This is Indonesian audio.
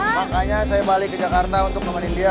makanya saya balik ke jakarta untuk nemenin dia